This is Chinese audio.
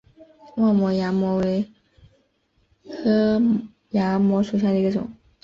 望谟崖摩为楝科崖摩属下的一个种。